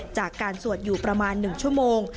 จากการสวดอยู่ประมาณ๑ชั่วโมง